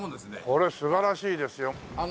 これ素晴らしいですよ。